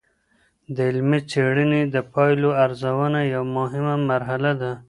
د علمي څېړنې د پایلو ارزونه یوه مهمه مرحله ده.